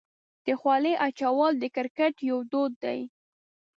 د خولۍ اچول د کرکټ یو دود دی.